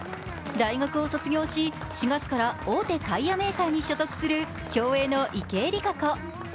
大学を卒業し４月から大手タイヤメーカーに所属する競泳の池江璃花子。